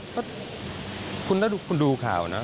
เพราะคุณดูข่าวนะ